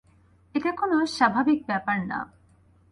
এটা কোন স্বাভাবিক ব্যাপার না!